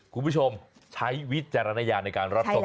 คุณผู้ชมใช้วิจารณญาณในการรับชม